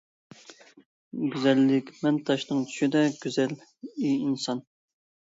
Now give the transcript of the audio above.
گۈزەللىك مەن تاشنىڭ چۈشىدەك گۈزەل، ئى ئىنسان!